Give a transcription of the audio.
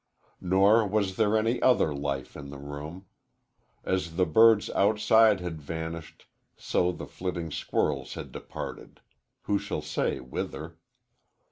Nor was there any other life in the room. As the birds outside had vanished, so the flitting squirrels had departed who shall say whither?